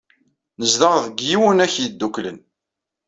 Nezdeɣ deg Yiwunak Yeddukklen.